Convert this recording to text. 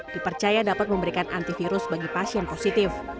dipercaya dapat memberikan antivirus bagi pasien positif